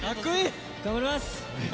頑張ります。